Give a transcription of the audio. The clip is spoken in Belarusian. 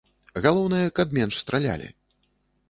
Галоўнае, каб менш стралялі.